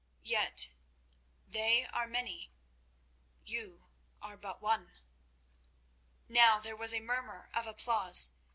Yet, they are many—you are but one." Now there was a murmur of applause.